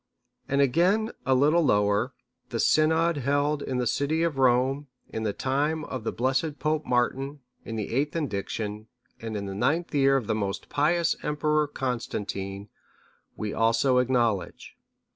And again a little lower, "the synod held in the city of Rome, in the time of the blessed Pope Martin,(649) in the eighth indiction, and in the ninth year of the most pious Emperor Constantine,(650) we also acknowledge.